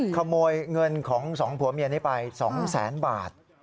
ขโมยเงินของสองผัวเมียนี้ไป๒แสนบาท